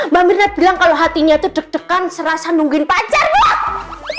mbak mirna bilang kalo hatinya tuh deg degan serasa nungguin pacar bu